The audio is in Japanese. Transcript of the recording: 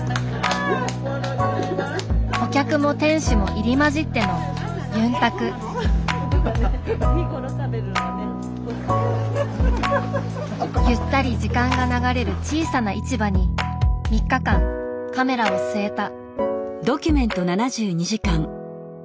お客も店主も入り交じってのゆったり時間が流れる小さな市場に３日間カメラを据えた。